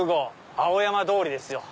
青山通りですよ。